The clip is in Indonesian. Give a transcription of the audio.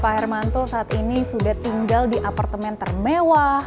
pak hermanto saat ini sudah tinggal di apartemen termewah